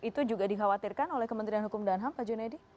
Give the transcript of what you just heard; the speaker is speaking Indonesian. itu juga dikhawatirkan oleh kementerian hukum dan ham pak junedi